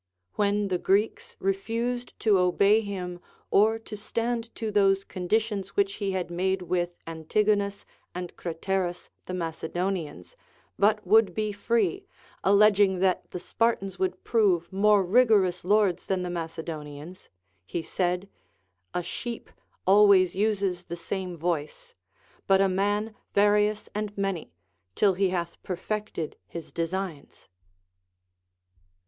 When the Greeks refused to obey him or to stand to those conditions which he had made with Antigonus and Craterus the Macedonians, but would be free, alleging that the Spartans would prove more rigorous lords than the Ma cedonians, he said : A sheep always uses the same Λ^oice, but a man various and many, till he hath perfected his designs.